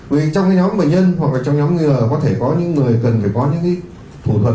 vì trong nhóm bệnh nhân hoặc trong nhóm người có thể có những người cần phải có những thủ thuật